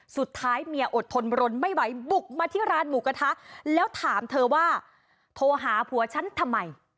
สุดท้ายเมียอดทนรนไม่ไหวบุกมาที่ร้านหมูกระทะแล้วถามเธอว่าโทรหาผัวฉันทำไม